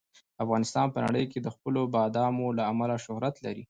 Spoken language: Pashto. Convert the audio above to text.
افغانستان په نړۍ کې د خپلو بادامو له امله شهرت لري.